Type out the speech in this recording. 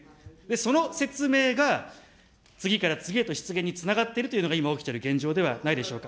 その説明が次から次へと失言につながっているというのが今起きてる現状ではないでしょうか。